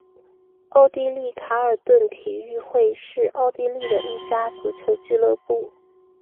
奥地利卡尔顿体育会是奥地利的一家足球俱乐部。